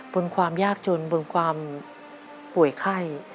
ความยากจนบนความป่วยไข้